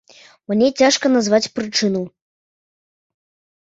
Мне цяжка назваць прычыну.